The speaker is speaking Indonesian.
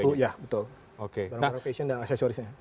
sepatu ya betul barang barang fashion dan aksesorisnya